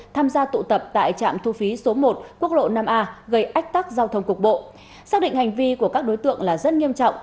tham gia tụ tập tại trạm thu phí số một quốc lộ năm a gây ách tắc giao thông cục bộ xác định hành vi của các đối tượng là rất nghiêm trọng